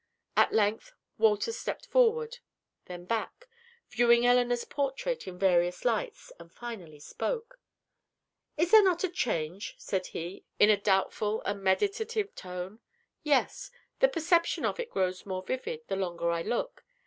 At length Walter stepped forward then back viewing Elinor's portrait in various lights, and finally spoke. "Is there not a change?" said he, in a doubtful and meditative tone. "Yes; the perception of it grows more vivid, the longer I look.